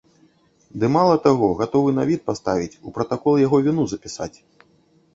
Ды, мала таго, гатовы на від паставіць, у пратакол яго віну запісаць.